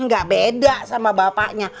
enggak beda sama bapaknya